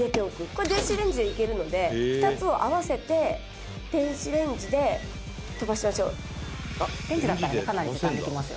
「これ電子レンジでいけるので２つを合わせて電子レンジで飛ばしましょう」「レンジだったらかなり時短できますよね」